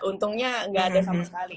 untungnya nggak ada sama sekali